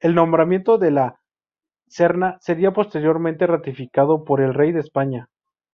El nombramiento de de La Serna sería posteriormente ratificado por el rey de España.